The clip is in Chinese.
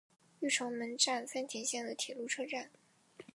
御成门站三田线的铁路车站。